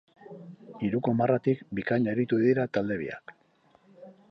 Hiruko marratik bikain aritu dira talde biak.